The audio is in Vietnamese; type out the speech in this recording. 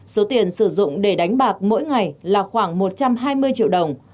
số tiền sử dụng để đánh bạc mỗi ngày là khoảng một trăm hai mươi triệu đồng